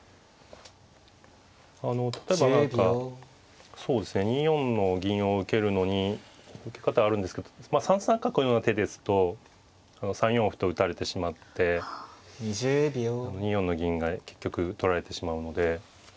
例えば何かそうですね２四の銀を受けるのに受け方あるんですけどまあ３三角のような手ですと３四歩と打たれてしまって２四の銀が結局取られてしまうので。